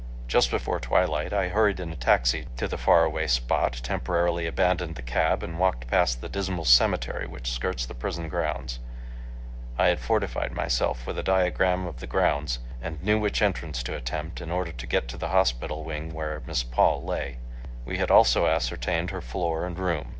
Just before twilight, I hurried in a taxi to the far away spot, temporarily abandoned the cab and walked past the dismal cemetery which skirts the prison grounds. I had fortified myself with a diagram of the grounds, and knew which entrance to attempt, in order to get to the hospital wing where Miss Paul lay. We had also ascertained her floor and room.